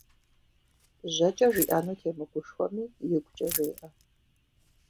ЖьэкӀэ жиӀэну темыгушхуэми, игукӀэ жеӀэ.